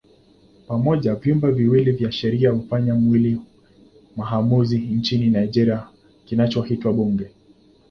Pamoja vyumba viwili vya sheria hufanya mwili maamuzi nchini Nigeria kinachoitwa Bunge.